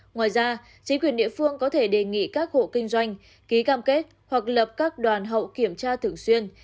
ngoài ra chính quyền địa phương có thể đề nghị các hộ kinh doanh ký cam kết hoặc lập các đoàn hậu kiểm tra thường xuyên